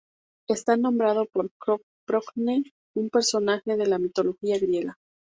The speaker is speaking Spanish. Está nombrado por Procne, un personaje de la mitología griega.